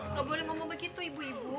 nggak boleh ngomong begitu ibu ibu